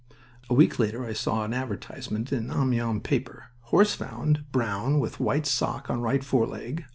A week later I saw an advertisement in an Amiens paper: "Horse found. Brown, with white sock on right foreleg.